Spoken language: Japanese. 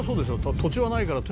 土地はないからとにかく」